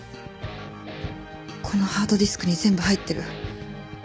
このハードディスクに全部入ってる。